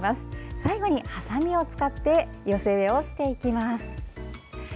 最後に、はさみを使って寄せ植えをしていきます。